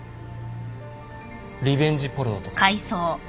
リベンジポルノとか。